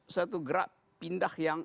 satu gerak pindah yang